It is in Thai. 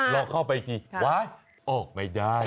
เราเข้าไปอีกทีว้ายออกไม่ได้